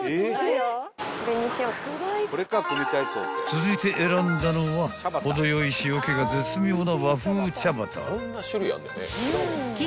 ［続いて選んだのは程よい塩気が絶妙な］